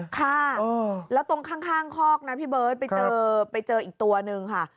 ค่ะแล้วตรงข้างคอกนะพี่เบิร์ตไปเจอไปเจออีกตัวนึงค่ะ